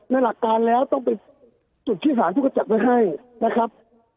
ในหลักการแล้วต้องเป็นสถานทูตที่สารทูตเขาจัดไว้ให้นะครับ